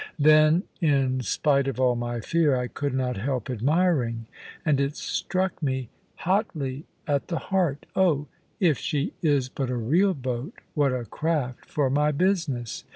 Then, in spite of all my fear, I could not help admiring; and it struck me hotly at the heart, "Oh, if she is but a real boat, what a craft for my business!"